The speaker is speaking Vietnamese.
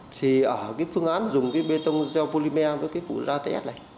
thì ở phương án dùng bê tông gel polymer với phụ da ts này